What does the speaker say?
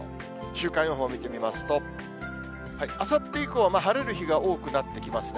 週間予報見てみますと、あさって以降は、晴れる日が多くなってきますね。